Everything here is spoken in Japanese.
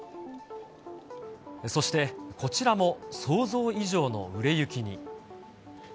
そしてこちらも想像以上の売れ行きに。